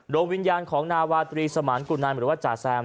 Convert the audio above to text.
วิญญาณของนาวาตรีสมานกุนันหรือว่าจ่าแซม